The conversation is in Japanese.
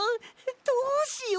どうしよう！